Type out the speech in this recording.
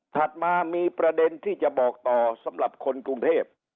ถัดมามีประเด็นที่จะบอกต่อสำหรับคนกรุงเทพ